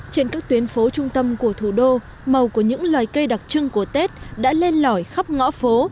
trên các tuyến phố trung tâm của thủ đô màu của những loài cây đặc trưng của tết đã lên lõi khắp ngõ phố